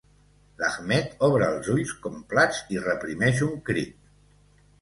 L'Ahmed obre els ulls com plats i reprimeix un crit.